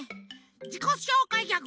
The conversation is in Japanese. じこしょうかいギャグ。